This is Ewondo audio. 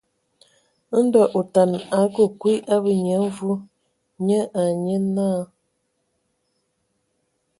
Ndɔ otana a ake kwi ábe Nyia Mvi nye ai nye náa.